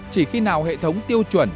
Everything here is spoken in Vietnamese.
chỉ khi nào hệ thống tiêu chuẩn